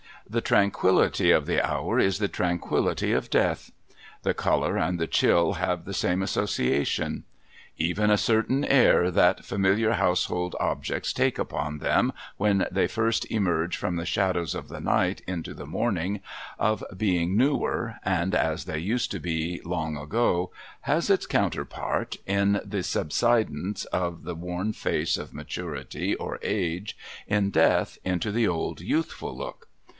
The tranquillity of the hour is the tranquillity of Death. The colour and the chill have the same association. Even a certain air that familiar house hold objects take upon them when they first emerge from the shadows of the night into the morning, of being newer, and as they used to be long ago, has its counterpart in tlie subsidence of the worn face of maturity or age, in death, into the old youthful look.